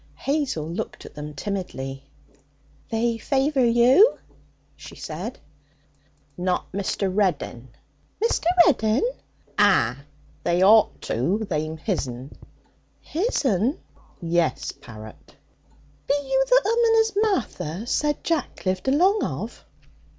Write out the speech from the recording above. Hazel looked at them timidly. 'They favour you,' she said. 'Not Mr. Reddin?' 'Mr. Reddin?' 'Ah! They'd ought to. They'm his'n.' 'His'n?' 'Yes, parrot.' 'Be you the 'ooman as Martha said Jack lived along of?'